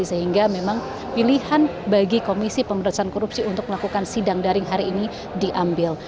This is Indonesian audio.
sehingga memang pilihan bagi komisi pemberantasan korupsi untuk melakukan sidang daring hari ini diambil